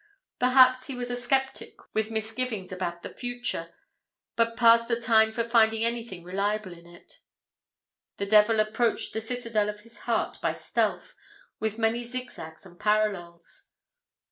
Perhaps he was a sceptic with misgivings about the future, but past the time for finding anything reliable in it. The devil approached the citadel of his heart by stealth, with many zigzags and parallels.